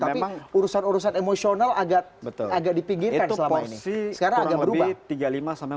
tapi urusan urusan emosional agak dipinggirkan selama ini